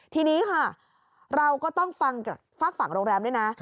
ทีนี้ค่ะเราก็ต้องฟังจากฝากฝั่งโรงแรมด้วยนะ